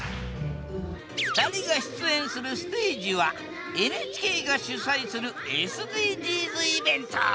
２人が出演するステージはＮＨＫが主催するＳＤＧｓイベント！